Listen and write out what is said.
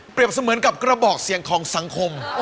เสมือนกับกระบอกเสียงของสังคม